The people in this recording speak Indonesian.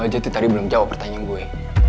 jati tadi belum jawab pertanyaan gue